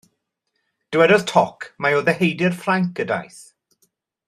Dywedodd toc mai o ddeheudir Ffrainc y daeth.